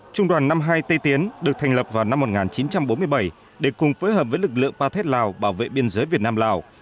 trung đoàn năm mươi hai tây tiến được thành lập vào năm một nghìn chín trăm bốn mươi bảy để cùng phối hợp với lực lượng path lào bảo vệ biên giới việt nam lào